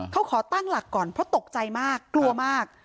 เขาขอตั้งหลักก่อนเพราะตกใจมากกลัวมาก